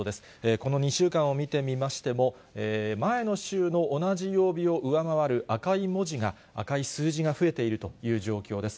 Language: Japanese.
この２週間を見てみましても、前の週の同じ曜日を上回る赤い文字が、赤い数字が増えているという状況です。